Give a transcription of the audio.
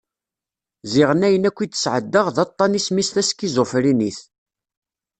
Ziɣen ayen akk i d-sɛeddaɣ d aṭan isem-is taskiẓufrinit.